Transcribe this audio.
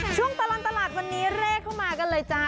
ช่วงตลอดตลาดวันนี้เลขเข้ามากันเลยจ้า